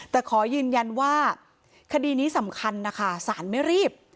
แต่ขอยืนยันว่าคดีนี้สำคัญนะคะสารไม่รีบ